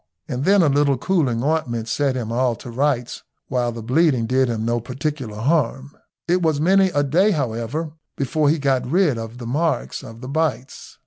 And then a little cooling ointment set him all to rights, while the bleeding did him no particular harm. It was many a day, however, before he got rid of the marks of the bites.